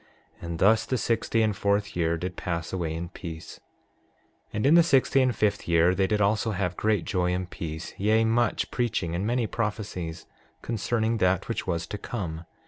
And thus the sixty and fourth year did pass away in peace. 6:14 And in the sixty and fifth year they did also have great joy and peace, yea, much preaching and many prophecies concerning that which was to come.